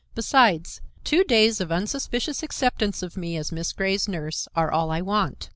Besides, two days of unsuspicious acceptance of me as Miss Grey's nurse are all I want.